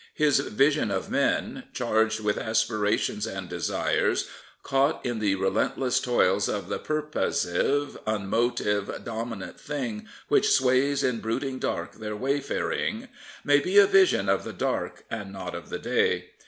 His vision of men — charged with aspirations and desires — caught in the relentless toils of The purposive, unmotived, dominant Thing Which sways in brooding dark their wayfaring may be a vision of the dark and not of the day.